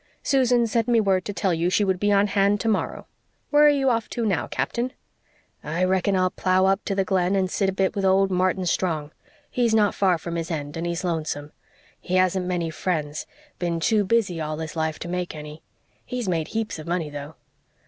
Susan sent me word to tell you she would be on hand tomorrow. Where are you off to now, Captain?" "I reckon I'll plough up to the Glen and sit a bit with old Martin Strong. He's not far from his end and he's lonesome. He hasn't many friends been too busy all his life to make any. He's made heaps of money, though."